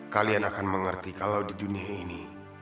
kalian akan mengerti kalau di dunia ini